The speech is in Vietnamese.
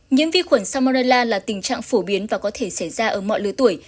nhiễm vi khuẩn salmonella là tình trạng phổ biến và có thể xảy ra ở mọi lứa tuổi